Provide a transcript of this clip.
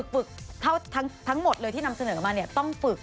ปึกทั้งหมดเลยที่นำเสนอกันมาเนี่ยต้องปึก